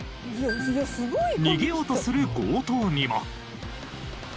逃げようとする強盗にも。